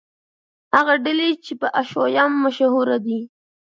هغه ډلې چې په حشویه مشهورې دي.